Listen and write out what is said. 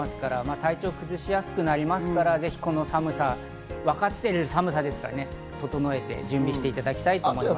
体調を崩しやすくなりますから、この寒さ、わかっている寒さなので、整えて準備していただきたいと思います。